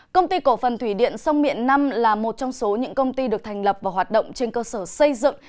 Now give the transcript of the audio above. công ty cổ phần thủy điện sông miện năm là một trong số những công ty được thành lập và hoạt động trên cơ sở xây dựng